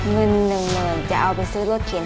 วิ่งเหนื่องจะเอาไปซื้อรถเข็น